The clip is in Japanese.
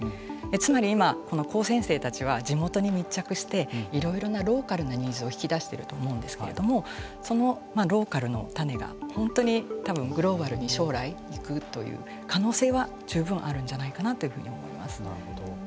つまり、今この高専生たちは地元に密着していろいろなローカルなニーズを引き出してると思うんですけれどもそのローカルの種が本当にたぶんグローバルに将来行くという可能性は十分あるんじゃないかなというふうに思います。